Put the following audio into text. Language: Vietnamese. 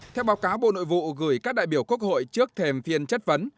theo báo cáo bộ nội vụ gửi các đại biểu quốc hội trước thềm phiên chất vấn